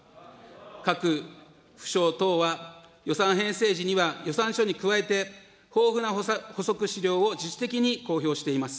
各府省等は予算編成時には予算書に加えて、豊富な補足資料を自主的に公表しています。